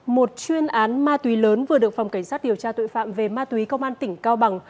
một chuyên án ma túy lớn vừa được phòng cảnh sát điều tra tội phạm về ma túy công an tỉnh cao bằng